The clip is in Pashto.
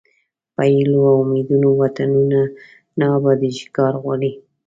په هیلو او امیدونو وطنونه نه ابادیږي کار غواړي.